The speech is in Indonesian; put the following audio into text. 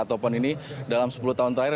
ataupun ini dalam sepuluh tahun terakhir